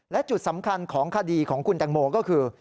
และจุดสำคัญของคดีของคุณแตงโมก็คือ